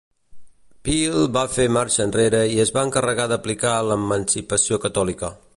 Peel va fer marxa enrere i es va encarregar d'aplicar l'Emancipació Catòlica.